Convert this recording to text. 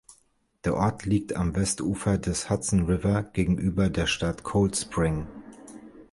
Der Ort liegt am Westufer des "Hudson River" gegenüber der Stadt Cold Spring.